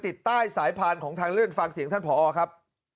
ติดใต้สายพานของทางเลื่อนฟังเสียงท่านผอครับ